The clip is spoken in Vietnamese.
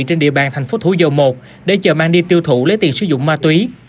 trên địa bàn tp thủ dầu một để chờ mang đi tiêu thụ lấy tiền sử dụng ma túy